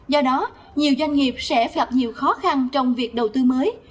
do đó nhiều doanh nghiệp sẽ gặp nhiều khó khăn trong việc đầu tư mới